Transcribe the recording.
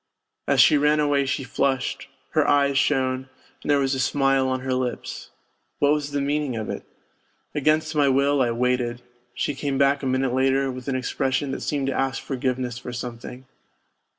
As she ran away she flushed, her eyes shone, and there was a smile on her lips what was the meaning of it ? Against my will I waited : she came back a minute later with an expression that seemed to ask forgiveness for something.